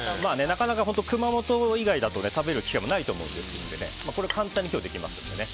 なかなか熊本以外だと食べる機会もないと思いますので簡単に今日できますんでね。